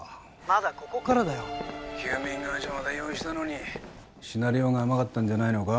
☎まだここからだよ☎休眠会社まで用意したのにシナリオが甘かったんじゃないのか？